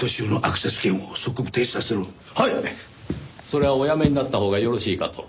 それはおやめになったほうがよろしいかと。